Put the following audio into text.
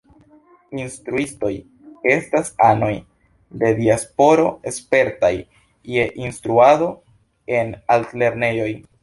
Instruistoj estas anoj de diasporo spertaj je instruado en altlernejoj.